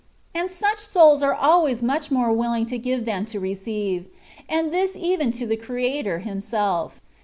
And such souls are always much more willing to give than to receive, and this even to the Creator Himself.